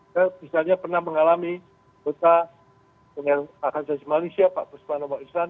kita misalnya pernah mengalami kita dengan hak asasi manusia pak presiden omong osan